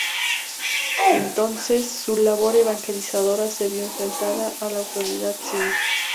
Entonces, su labor evangelizadora se vio enfrentada a la autoridad civil.